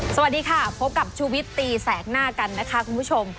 สวัสดีค่ะพบกับชูวิตตีแสกหน้ากันนะคะคุณผู้ชม